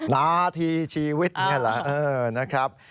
นาทีชีวิตนี่แหละนะครับ